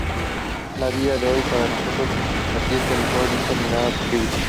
La vida es hoy para nosotros vertiente, mejor dicho la mirada posible.